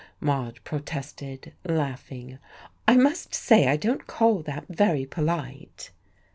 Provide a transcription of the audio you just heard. Maude protested, laughing, "I must say I don't call that very polite."...